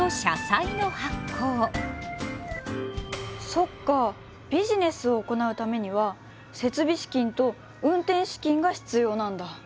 そっかビジネスを行うためには設備資金と運転資金が必要なんだ。